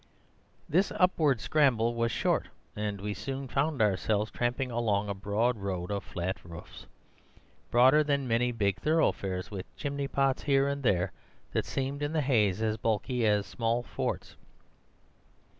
"This upward scramble was short, and we soon found ourselves tramping along a broad road of flat roofs, broader than many big thoroughfares, with chimney pots here and there that seemed in the haze as bulky as small forts.